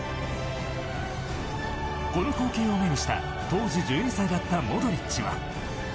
この光景を目にした当時１２歳だったモドリッチは。